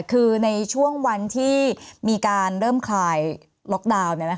คือในช่วงวันที่มีการเริ่มคลายล็อกดาวน์